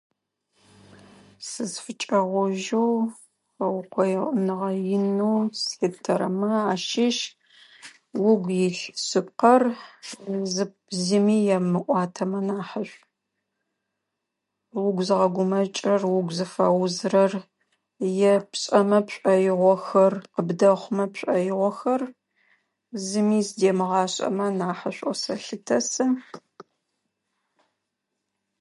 Сызфыкӏэгъожьэу, хэукъоныгъэ инэу слъытырэмэ ащыщ: угу илъ шъыпкъэр зыми емыӏуатэмэ нахьышӏу. Угу зэгъагумэкӏырэр, угу зыфэузырэр е пшӏэмэ пшӏоигъохэр, къыбдэхъумэ пшӏоигъохэр зыми зыдэмыгъэшӏэмэ нахьышӏу сэлъытэ сэ.